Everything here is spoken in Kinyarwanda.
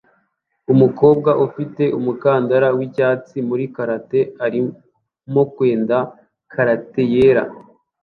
Umukobwa ufite umukandara wicyatsi muri karate ari mukwenda karate yera